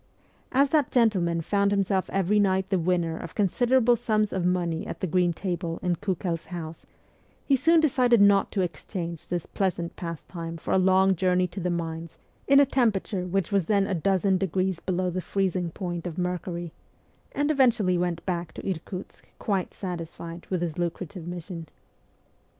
As that gentleman found himself every night the winner of considerable sums of money at the green table in Kiikel's house, he soon decided not to exchange this pleasant pastime for a long journey to the mines in a temperature which was then a dozen degrees below the freezing point of mercury, and eventually went back to Irkutsk quite satisfied with his lucrative mission.